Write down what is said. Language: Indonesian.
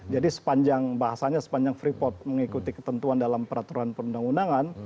jadi sepanjang bahasanya sepanjang freeport mengikuti ketentuan dalam peraturan perundang undangan